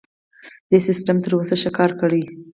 دې سیستم تر اوسه ښه کار کړی.